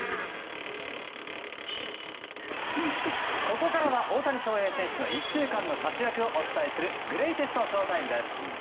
ここからは大谷翔平選手の１週間の活躍をお伝えするグレイテストＳＨＯ‐ＴＩＭＥです。